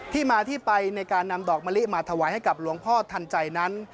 ที่มาที่ไปในการนำดอกมะลิมาถวายให้กับหลวงพ่อทันใจนั้น